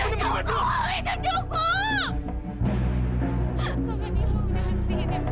kamini lo udah hentiin ya pak